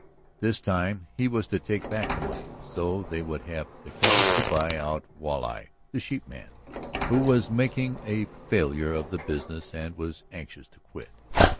This time he was to take back the money, so they would have the cash to buy out Walleye, the sheepman, who was making a failure of the business and was anxious to quit.